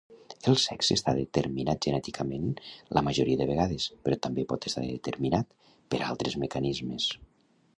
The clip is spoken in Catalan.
El sexe està determinat genèticament la majoria de vegades, però també pot estar determinat per altres mecanismes.